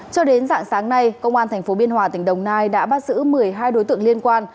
cho đến dạng sáng nay công an tp biên hòa tỉnh đồng nai đã bắt giữ một mươi hai đối tượng liên quan